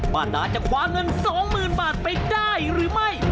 นาจะคว้าเงิน๒๐๐๐บาทไปได้หรือไม่